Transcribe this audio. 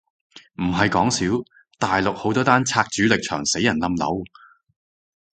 唔係講笑，大陸好多單拆主力牆死人冧樓？